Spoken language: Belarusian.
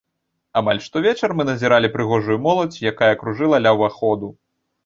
Амаль штовечар мы назіралі прыгожую моладзь, якая кружыла ля ўваходу.